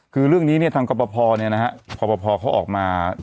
คือเรื่องนี้เนี่ยทางกรปภคั้นออกมา